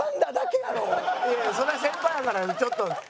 いやそりゃ先輩やからちょっと。